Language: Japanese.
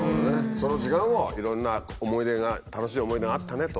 その時間をいろんな思い出が楽しい思い出があったねと。